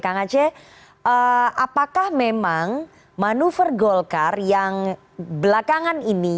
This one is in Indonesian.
kang aceh apakah memang manuver golkar yang belakangan ini